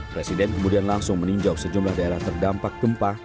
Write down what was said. presiden kemudian langsung meninjau sejumlah daerah terdampak gempa